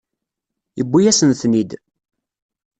Yewwi-yasen-ten-id.